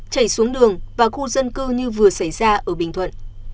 chảy xuống đường và khu dân cư như vừa xảy ra ở bình thuận